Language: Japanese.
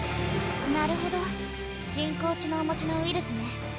なるほど人工知能持ちのウイルスね。